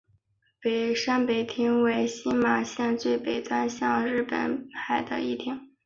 山北町为新舄县最北端面向日本海的一町。